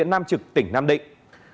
nam trực tỉnh nam định